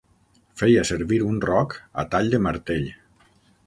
Feia servir un roc a tall de martell.